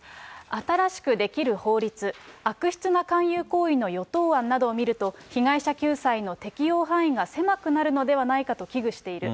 新しくできる法律、悪質な勧誘行為の与党案などを見ると、被害者救済の適用範囲が狭くなるのではないかと危惧している。